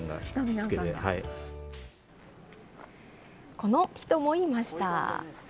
この人もいました。